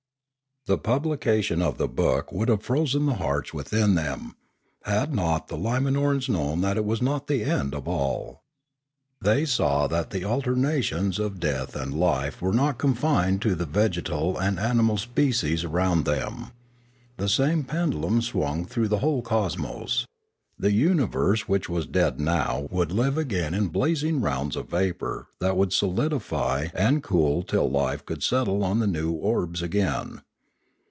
The publication of the book would have frozen the hearts within them, had not the Limanorans known that that was not the end of all. They saw that the alternations of death and life were not confined to the vegetal and animal species around them. The same pendulum swung through the whole cosmos. The universe which was dead now would live again in blazing rounds of vapour that would solidify and cool till life could settle on the new orbs again.